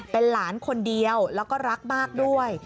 เป็นหลานคนเดียวแล้วก็รักมากด้วย